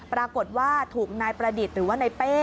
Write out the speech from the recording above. ปรากฏว่าถูกนายประดิษฐ์หรือว่านายเป้